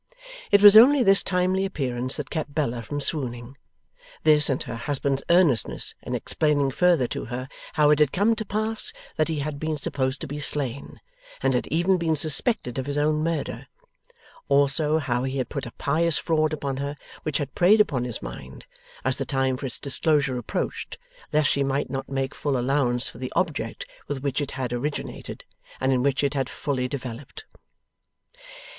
It was only this timely appearance that kept Bella from swooning. This, and her husband's earnestness in explaining further to her how it had come to pass that he had been supposed to be slain, and had even been suspected of his own murder; also, how he had put a pious fraud upon her which had preyed upon his mind, as the time for its disclosure approached, lest she might not make full allowance for the object with which it had originated, and in which it had fully developed.